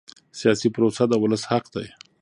سیاسي پروسه د ولس حق دی